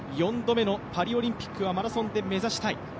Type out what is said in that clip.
４度目のパリオリンピックはマラソンで目指したい。